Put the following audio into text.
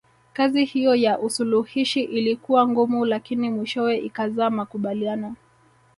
Kazi hiyo ya usuluhishi ilikuwa ngumu lakini mwishowe ikazaa makubaliano